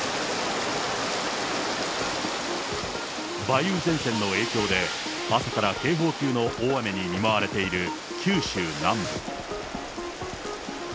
梅雨前線の影響で朝から警報級の大雨に見舞われている九州南部。